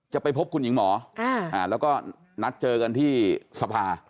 จะไปพบคุณหญิงหมอแล้วก็นัดเจอกันที่สภา